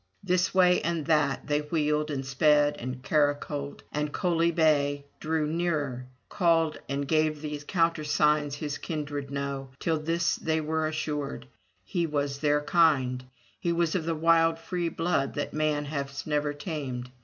This way and that they wheeled and sped and caracoled, and Coaly bay drew nearer, called and gave the countersigns his kindred know, till this they were assured — he was their kind, he was of the wild free blood that man had never tamed.